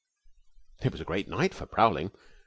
It was a great night for prowling.